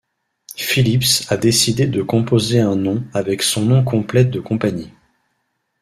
Philips a décidé de composer un nom avec son nom complet de compagnie.